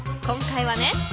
今回はね